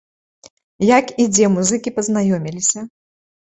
Як і дзе музыкі пазнаёміліся?